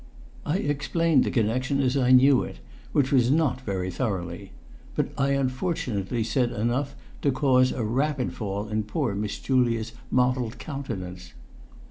I explained the connection as I knew it, which was not very thoroughly. But I unfortunately said enough to cause a rapid fall in poor Miss Julia's mottled countenance.